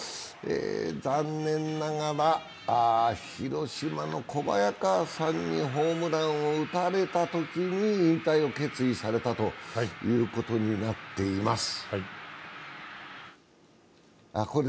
残念ながら広島の小早川さんにホームランを打たれたときに引退を決意されたということになっています。